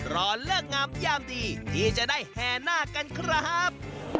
รอเลิกงามยามดีที่จะได้แห่นาคกันครับ